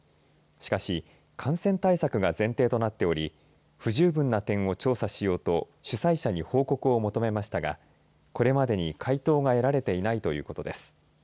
しかし感染対策が前提となっており不十分な点を調査しようと主催者に報告を求めましたがこれまでに回答が得られていないということです。